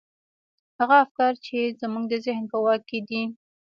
هغه افکار چې زموږ د ذهن په واک کې دي.